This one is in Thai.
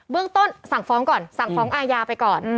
เรื่องต้นสั่งฟ้องก่อนสั่งฟ้องอาญาไปก่อน